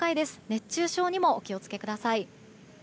熱中症にもお気をつけください。